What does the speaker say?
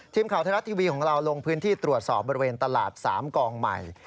ทีมข่าวไทยรัฐทีวีของเราลงพื้นที่ตรวจสอบบริเวณตลาด๓กองใหม่